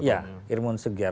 iya irman sugiar